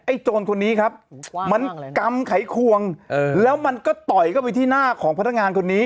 โจรคนนี้ครับมันกำไขควงแล้วมันก็ต่อยเข้าไปที่หน้าของพนักงานคนนี้